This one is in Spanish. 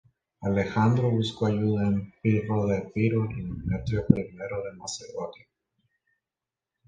Alejandro buscó ayuda en Pirro de Epiro y Demetrio I de Macedonia.